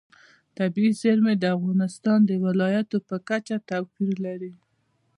طبیعي زیرمې د افغانستان د ولایاتو په کچه توپیر لري.